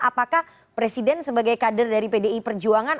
apakah presiden sebagai kader dari pdi perjuangan